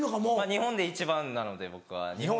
日本で一番なので僕は。